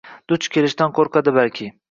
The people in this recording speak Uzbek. Duch kelishdan qoʻrqadi balki